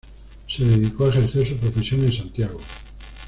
Se dedicó a ejercer su profesión en Santiago.